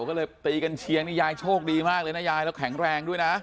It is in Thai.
ก็เลยตีกันเชียงนี่ยายโชคดีมากเลยนะยายแล้วแข็งแรงด้วยนะ